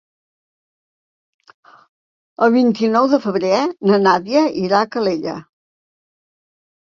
El vint-i-nou de febrer na Nàdia irà a Calella.